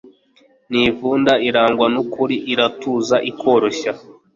ntivunda, irangwa n'ukuri, iratuza, ikoroshya